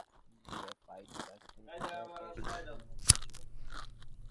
Comilla LGED সূত্র জানায়, যুক্তরাজ্যের সাহাঘ্য সংস্থা ডিএফআইডির আর্থিক সহায়তায় সেতুটি নির্মিত হচ্ছিল।